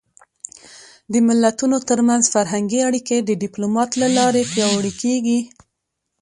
د ملتونو ترمنځ فرهنګي اړیکې د ډيپلومات له لارې پیاوړې کېږي.